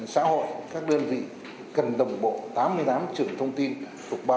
xã hội các đơn vị cần đồng bộ tám mươi tám trưởng thông tin thuộc ba